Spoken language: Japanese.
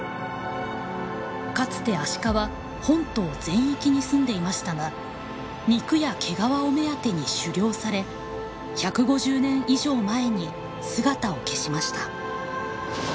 かつてアシカは本島全域にすんでいましたが肉や毛皮を目当てに狩猟され１５０年以上前に姿を消しました。